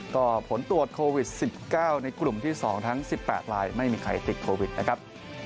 ก็ผลตรวจโควิด๑๙ในกลุ่มที่๒ทั้ง๑๘ลายไม่มีใครติดโควิดนะครับ